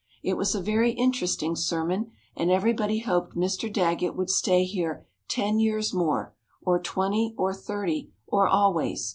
It was a very interesting sermon, and everybody hoped Mr. Daggett would stay here ten years more, or twenty, or thirty, or always.